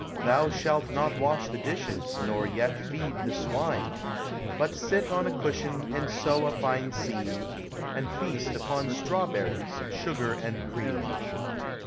Thou shalt not wash the dishes, nor yet feed the swine But sit on a cushion and sew a fine seam, And feast upon strawberries, sugar and cream.